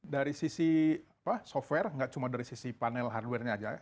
dari sisi software nggak cuma dari sisi panel hardware nya aja